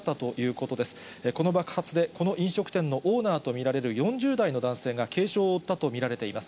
この爆発で、この飲食店のオーナーと見られる４０代の男性が、軽傷を負ったと見られています。